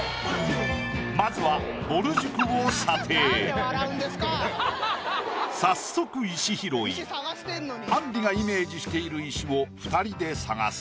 まずは早速あんりがイメージしている石を二人で探す。